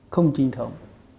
không trinh thống